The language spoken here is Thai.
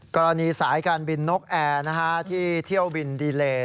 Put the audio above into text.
กรณีสายการบินนกแอร์ที่เที่ยวบินดีเล